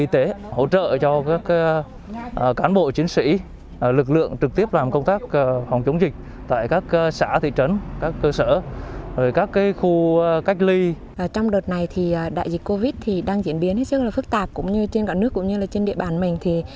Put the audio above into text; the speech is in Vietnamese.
trong đợt này đại dịch covid đang diễn biến rất phức tạp trên cả nước cũng như trên địa bàn mình